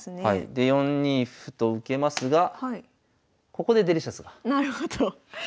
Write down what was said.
で４二歩と受けますがここでデリシャスがなるほど。きます。